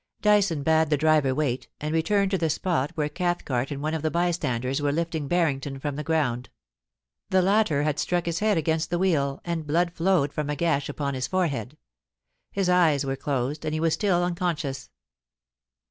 Dyson bade the driver wait, and returned to the 23 3S4 POLICY AND PASSION. spot where Cathcart and one of the bystanders were lifting Barrington from the ground. The latter had struck his head against the wheel, and blood flowed from a gash upon his forehead; his eyes were closed, and he was still un conscious.